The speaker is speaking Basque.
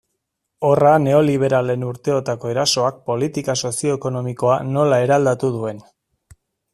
Horra neoliberalen urteotako erasoak politika sozio-ekonomikoa nola eraldatu duen.